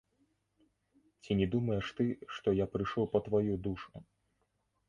Ці не думаеш ты, што я прыйшоў па тваю душу?